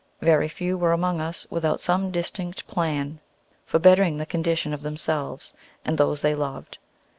Very few were among us without some distinct plan for bettering the condition of themselves and those they loved.